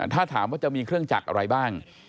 ถ้าถามว่าจะมีเครื่องจักรอะไรบ้าง